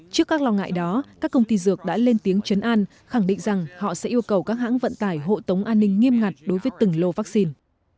trước các lo ngại đó các công ty dược đã lên tiếng chấn an khẳng định rằng họ sẽ yêu cầu các hãng vận tải hộ tống an ninh nghiêm ngặt đối với từng lô vaccine